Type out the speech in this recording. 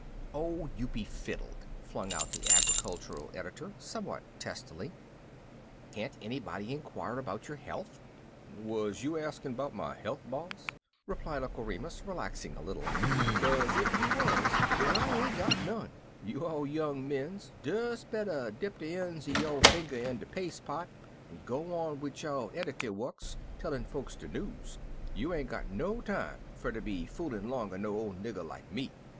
"Oh, you be fiddled!" flung out the agri cultural editor somewhat testily; "can't anybody inquire about your health?" "Wuz you axin' 'bout my healt* boss?" replied Uncle Remus, relaxing a little; "kaze ef you wuz den I ain't got none. You all young mens des better dip de een' er yo' finger in de pas'e pot, an' go on wid yo' ISO Uncle Remus has the Mumps eddity wuks, tellin* folks de news. You ain't got no time fer ter be foolin' 'longer no ole nigger like me."